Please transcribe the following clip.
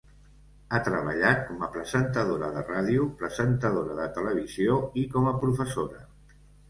Ha treballat com a presentadora de ràdio, presentadora de televisió i com a professora.